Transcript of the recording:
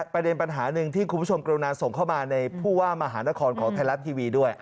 ประเด็นปัญหาหนึ่งที่คุณผู้ชมกรุณาส่งเข้ามาในผู้ว่ามหานครของไทยรัฐทีวีด้วย